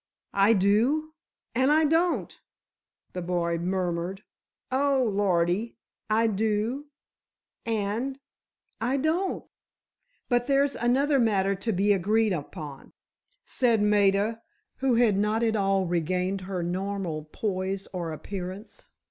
"I do—and I don't—" the boy murmured; "oh, lordy! I do—and—I don't!" "But there's another matter to be agreed upon," said Maida, who had not at all regained her normal poise or appearance.